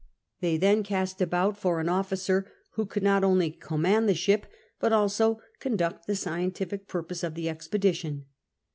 They then cast about for an officer who could not only command the ship but also conduct the scientific piirjiose of the expedition.